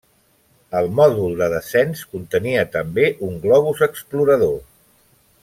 El mòdul de descens contenia també un globus explorador.